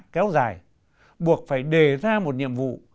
kéo dài buộc phải đề ra một nhiệm vụ